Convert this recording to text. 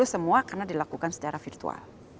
dua ribu dua puluh semua karena dilakukan secara virtual